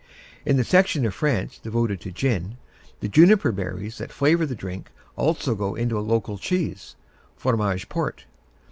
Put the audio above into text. In the section of France devoted to gin, the juniper berries that flavor the drink also go into a local cheese, Fromage Fort.